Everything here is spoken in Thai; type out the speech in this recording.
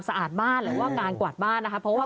เอาเฉพาะหน้าบ้านก็ดี